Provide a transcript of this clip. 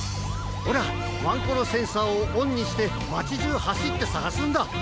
ほらワンコロセンサーをオンにしてまちじゅうはしってさがすんだ。